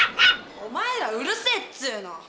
お前らうるせえっつうの！